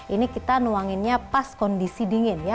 ini kita nuanginnya pas kondisi dingin ya